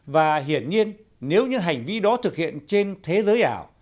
và hiển nhiên nếu những hành vi đó thực hiện trên thế giới ảo